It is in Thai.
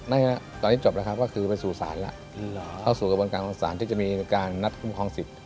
น่าฮะตอนนี้จบแล้วครับคือไปสู่สารล่ะก็สู่กระบวนการอลงสารที่จะมีการนัดคุ้มกองสิทย์